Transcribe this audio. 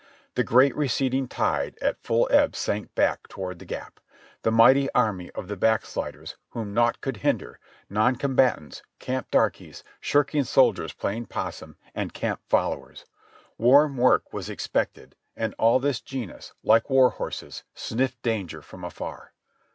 The great receding tide at full ebb sank back toward the Gap ; the mighty army of the backsliders whom naught could hinder, non combatants, camp darkies, shirking soldiers playing possum, and camp followers. Warm work was expected and all this genus, like war horses, "sniffed danger from afar."